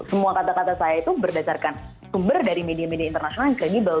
semua kata kata saya itu berdasarkan sumber dari media media internasional yang kredibel